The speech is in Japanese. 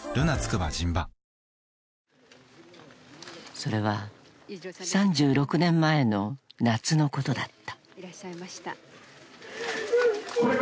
［それは３６年前の夏のことだった］